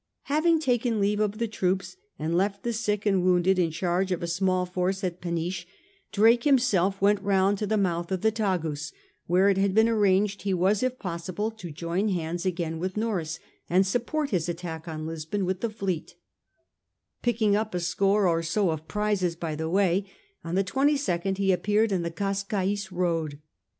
Having taken leave of the troops and left the sick and wounded in charge of a small force at Peniche, Drake himself went round to the mouth of the Tagus, where it had been arranged he was if possible to join hands again with Norreys, and support his attack on Lisbon with the fleet Picking up a score or so of prizes by the way, on the 22nd he appeared in the Cascaes road.